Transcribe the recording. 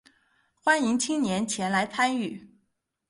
欢迎青年前来参与